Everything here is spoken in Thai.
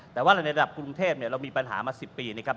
แต่ว่าในระดับกรุงเทพเรามีปัญหามา๑๐ปีนะครับ